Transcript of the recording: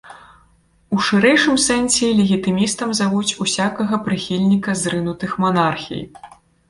У шырэйшым сэнсе легітымістам завуць усякага прыхільніка зрынутых манархій.